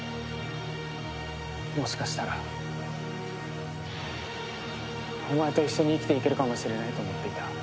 もしかしたらお前と一緒に生きていけるかもしれないと思っていた。